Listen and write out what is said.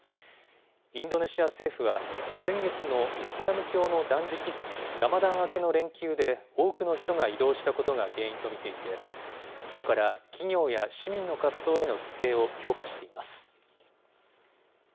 インドネシア政府は、先月のイスラム教の断食月・ラマダン明けの連休で、多くの人が移動したことが原因と見ていて、きょうから企業や市民の活動への規制を強化しています。